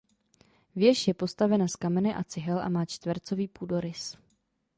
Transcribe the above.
Věž je postavena z kamene a cihel a má čtvercový půdorys.